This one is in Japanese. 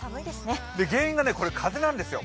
原因が風なんですよ。